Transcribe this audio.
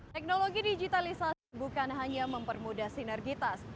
teknologi digitalisasi bukan hanya mempermudah sinergitas